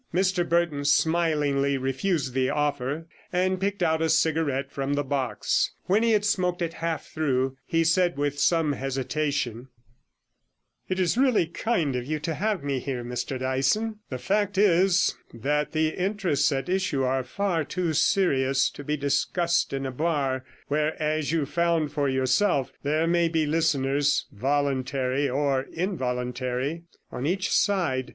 Mr Burton smilingly refused the offer, and picked out a cigarette from the box. When he had smoked it half through, he said with some hesitation 'It is really kind of you to have me here, Mr Dyson; the fact is that the interests at issue are far too serious to be discussed in a bar, where, as you found for yourself, there may be listeners, voluntary or involuntary, on each side.